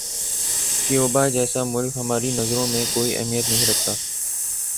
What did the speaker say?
Cuba جیسا ملک ہماری نظروں میں کوئی اہمیت نہیں رکھتا۔